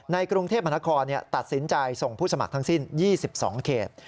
กรุงเทพมหานครตัดสินใจส่งผู้สมัครทั้งสิ้น๒๒เขต